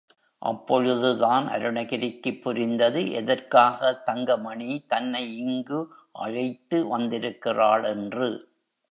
அப்பொழுதுதான் அருணகிரிக்குப் புரிந்தது, எதற்காக தங்கமணி தன்னை இங்கு அழைத்து வந்திருக்கிறாள் என்று.